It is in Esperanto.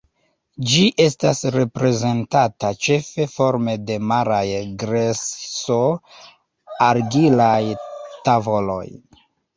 Ĝi estas reprezentata ĉefe forme de maraj grejso-argilaj tavoloj.